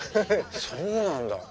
そうなんだ。